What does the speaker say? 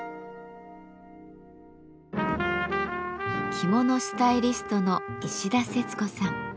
着物スタイリストの石田節子さん。